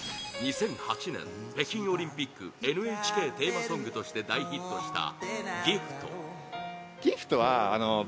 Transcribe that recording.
２００８年、北京オリンピックＮＨＫテーマソングとして大ヒットした「ＧＩＦＴ」